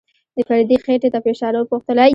د فريدې خېټې ته په اشاره وپوښتل.